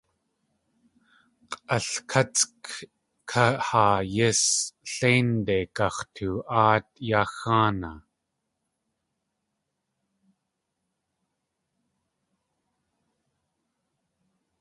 K̲ʼalkátsk kahaa yís léinde gax̲too.áat yá xáanaa.